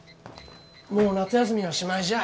もう夏休みはしまいじゃあ。